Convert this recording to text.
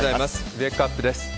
ウェークアップです。